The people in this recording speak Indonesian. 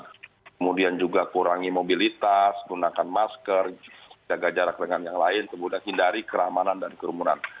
kemudian juga kurangi mobilitas gunakan masker jaga jarak dengan yang lain kemudian hindari keramanan dan kerumunan